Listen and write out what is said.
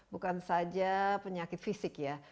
bukan saja penyakit fisik ya